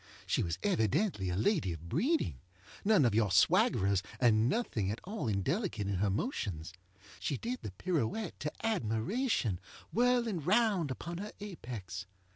She was evidently a lady of breeding. None of your swaggerers, and nothing at all indelicate in her motions. She did the pirouette to admirationŌĆöwhirling round upon her apex.